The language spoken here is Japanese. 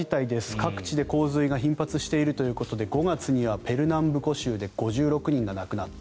各地で洪水が頻発しているということで５月にはペルナンブコ州で５６人が亡くなった。